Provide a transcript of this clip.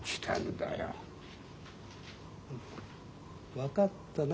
分かったな？